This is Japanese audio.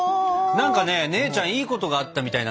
何かね姉ちゃんいいことがあったみたいなんだよね。